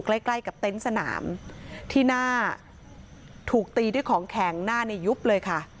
ใกล้ใกล้กับเต็นต์สนามที่หน้าถูกตีด้วยของแข็งหน้าในยุบเลยค่ะ